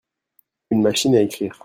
Une machine à écrire.